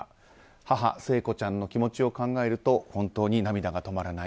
母・聖子ちゃんの気持ちを考えると本当に涙が止まらない